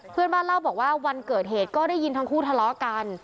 เพื่อนบ้านเล่าบอกว่าวันเกิดเหตุก็ได้ยินทั้งคู่ทะเลาะกัน